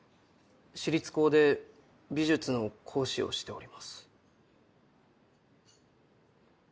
私立高で美術の講師をしております。